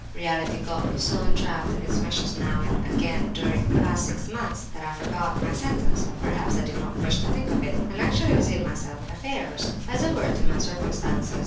'Reality' got me so entrapped in its meshes now and again during the past six months, that I forgot my 'sentence' (or perhaps I did not wish to think of it), and actually busied myself with affairs. "A word as to my circumstances.